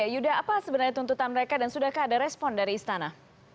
yuda apa sebenarnya tuntutan mereka dan sudahkah ada respon dari istana